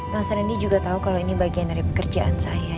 mas rendy juga tahu kalau ini bagian dari pekerjaan saya